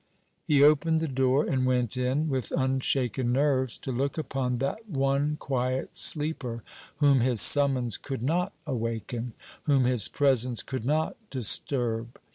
He opened the door, and went in, with unshaken nerves, to look upon that one quiet sleeper whom his summons could not awaken, whom his presence could not disturb.